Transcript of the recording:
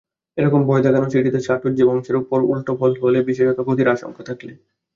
এরকম ভয়-দেখানো চিঠিতে চাটুজ্যে-বংশের উপর উলটো ফলে ফলে, বিশেষত ক্ষতির আশঙ্কা থাকলে।